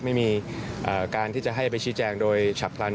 ไม่มีการที่จะให้ไปชี้แจงโดยฉับพลัน